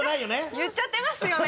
言っちゃってますよね！